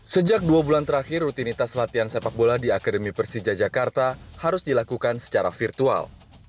sejak dua bulan terakhir rutinitas latihan sepak bola di akademi persija jakarta harus dilakukan secara virtual